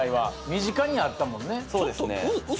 身近にあったもんね。